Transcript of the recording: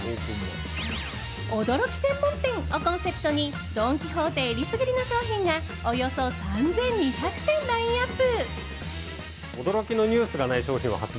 おドろき専門店をコンセプトにドン・キホーテえりすぐりの商品がおよそ３２００点ラインアップ。